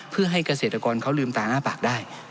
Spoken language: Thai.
เพื่อให้เกษตรกรเขาลืมตาหน้าปากได้